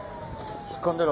引っ込んでろ。